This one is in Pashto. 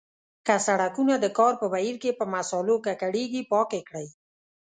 که سړکونه د کار په بهیر کې په مسالو ککړیږي پاک یې کړئ.